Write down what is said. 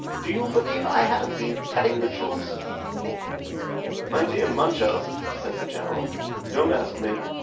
Do you believe I haven't been telling the truth?" "My dear Munchausen," said the General, "don't ask me.